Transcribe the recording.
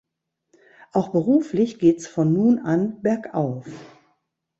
Auch beruflich geht‘s von nun an bergauf.